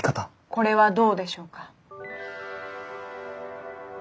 これはどうでしょうか？